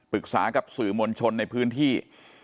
ปรึกษากับสื่อมวลชนในพื้นที่